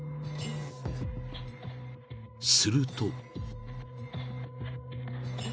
［すると］